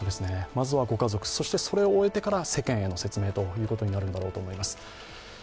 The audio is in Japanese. まずはご家族、それを終えてから世間への説明ということになるんだと思います。